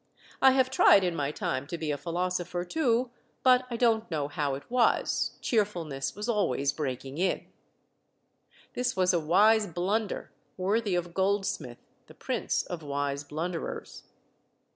I have tried in my time to be a philosopher too, but I don't know how it was, cheerfulness was always breaking in." This was a wise blunder, worthy of Goldsmith, the prince of wise blunderers.